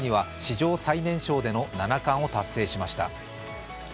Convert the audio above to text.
更には、史上最年少での七冠を達成しました。